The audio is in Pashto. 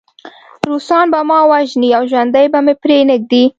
روسان به ما وژني او ژوندی به مې پرېنږدي